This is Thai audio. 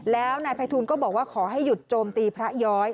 แล้วนายภัยทูลก็บอกว่าขอให้หยุดโจมตีพระย้อย